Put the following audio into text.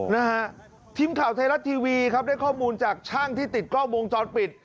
นะฮะทีมข่าวไทยรัฐทีวีครับได้ข้อมูลจากช่างที่ติดกล้องวงจรปิด